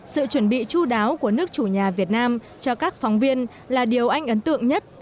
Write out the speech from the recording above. sự chuẩn bị chú đáo của nước chủ nhà việt nam cho các phóng viên là điều anh ấn tượng nhất